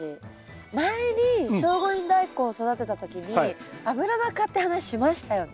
前に聖護院ダイコン育てた時にアブラナ科って話しましたよね。